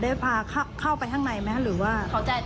ได้พาเข้าไปข้างในม่ะหรือว่า